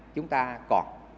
chúng ta còn